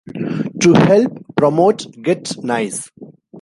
To help promote Get Nice!